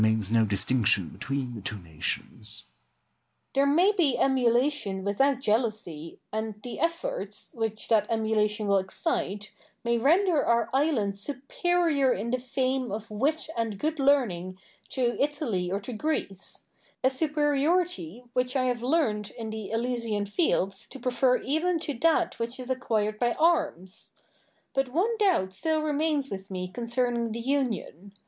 Douglas. There may be emulation without jealousy, and the efforts, which that emulation will excite, may render our island superior in the fame of wit and good learning to Italy or to Greece; a superiority, which I have learnt in the Elysian fields to prefer even to that which is acquired by arms. But one doubt still remains with me concerning the union.